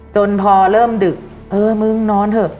จนพอเริ่มดึกเออมึงนอนเถอะ